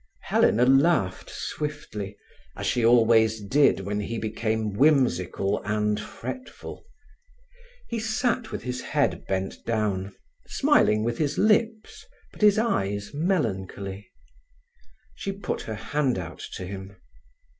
Helena laughed swiftly, as she always did when he became whimsical and fretful. He sat with his head bent down, smiling with his lips, but his eyes melancholy. She put her hand out to him.